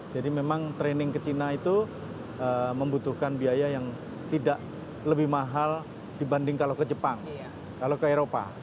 jadi memang training ke china itu membutuhkan biaya yang tidak lebih mahal dibanding kalau ke jepang kalau ke eropa